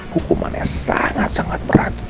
hukumannya sangat sangat berat